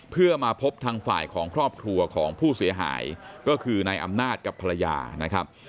เพื่อมาพบทางฝ่ายของครอบครัวของผู้เสียหายก็คือนายอำนาจกับภรรยานะครับ